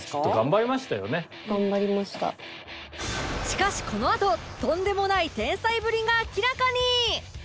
しかしこのあととんでもない天才ぶりが明らかに！